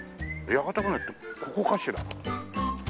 屋形船ってここかしら？